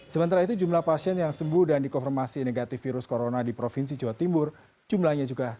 sementara itu jumlah pasien yang sembuh dan dikonfirmasi negatif virus corona di provinsi jawa timur jumlahnya juga